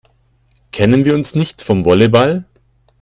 Kennen wir uns nicht vom Volleyball?